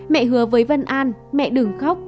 mẹ hứa với vân an mẹ đừng khóc